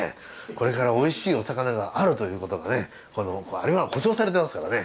これからおいしいお魚があるということがねあれは保証されてますからね。